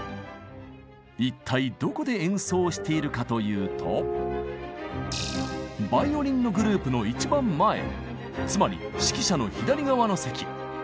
一体どこで演奏しているかというとバイオリンのグループの一番前つまり指揮者の左側の席。